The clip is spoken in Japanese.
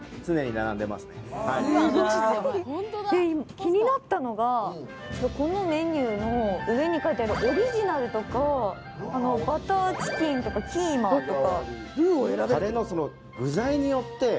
気になったのがこのメニューの上に書いてあるオリジナルとか、バターチキンとかキーマとか。